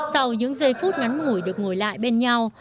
sau những giây phút ngắn ngủi được ngồi lại bên nhau